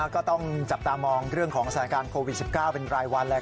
ก็ต้องจับตามองเรื่องของสถานการณ์โควิด๑๙เป็นรายวันแหละ